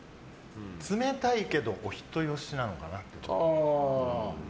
冷たいけどお人好しなのかな？